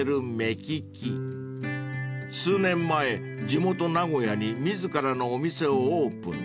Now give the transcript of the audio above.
［数年前地元名古屋に自らのお店をオープン］